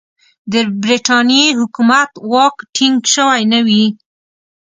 د برټانیې حکومت واک ټینګ سوی نه وي.